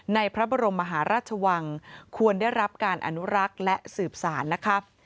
พระบรมมหาราชวังควรได้รับการอนุรักษ์และสืบสารนะครับ